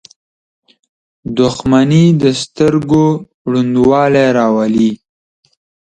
• دښمني د سترګو ړندوالی راولي.